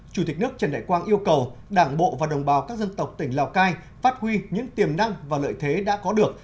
chủ tịch nước trần đại quang yêu cầu đảng bộ và đồng bào các dân tộc tỉnh lào cai phát huy những tiềm năng và lợi thế đã có được